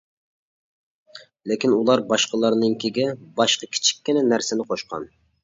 لېكىن ئۇلار باشقىلارنىڭكىگە «باشقا كىچىككىنە» نەرسىنى قوشقان.